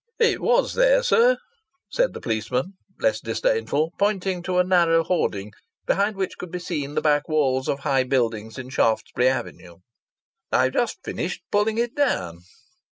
"It was there, sir," said the policeman, less disdainful, pointing to a narrow hoarding behind which could be seen the back walls of high buildings in Shaftesbury Avenue. "They've just finished pulling it down."